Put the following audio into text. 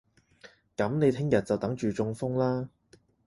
噉你聽日就等住中風啦